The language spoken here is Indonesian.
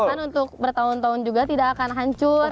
bahkan untuk bertahun tahun juga tidak akan hancur